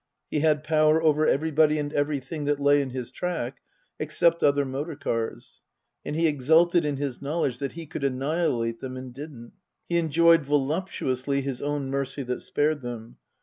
He had power over every body and everything that lay in his track, except other motor cars ; and he exulted in his knowledge that he could annihilate them and didn't. He enjoyed (voluptuously) his own mercy that spared them.